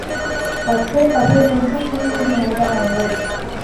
பச்சைப்பசேலென்ற புல்வெளி மைதானங்கள்.